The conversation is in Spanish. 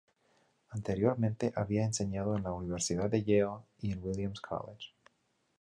Anteriormente, había enseñado en la Universidad de Yale y en Williams College.